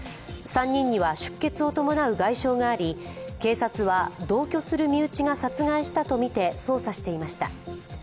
３人には出血を伴う外傷があり、警察は同居する身内が殺害したとみて捜査していました。